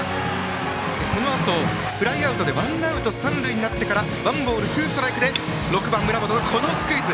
このあとフライアウトでワンアウト三塁になってからワンボールツーストライクで６番、村本のスクイズ。